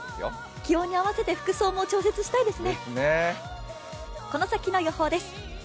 気温に合わせて服装も調節したいですね。